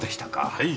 はい。